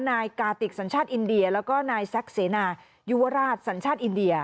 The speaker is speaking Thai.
นายสัญชาติอินเดียแล้วก็นายยูวราชสัญชาติอินเดีย